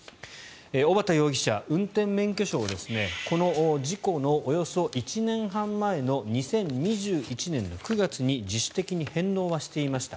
小畠容疑者、運転免許証をこの事故のおよそ１年半前の２０２１年の９月に自主的に返納はしていました。